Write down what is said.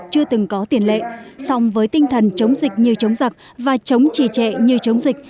chưa từng có tiền lệ song với tinh thần chống dịch như chống giặc và chống trì trệ như chống dịch